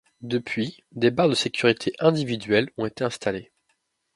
Depuis, des barres de sécurité individuelles ont été installées.